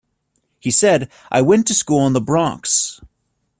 He said: I went to school in the Bronx.